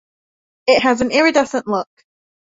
It has an iridescent look.